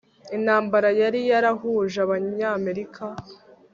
intambara yari yarahuje abanyamerika